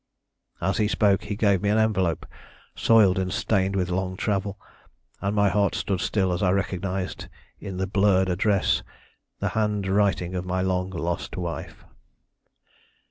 "As he spoke, he gave me an envelope, soiled and stained with long travel, and my heart stood still as I recognised in the blurred address the handwriting of my long lost wife.